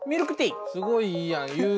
すごいいいやん。